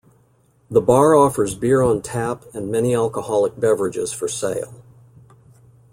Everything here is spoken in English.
The bar offers beer on tap and many alcoholic beverages for sale.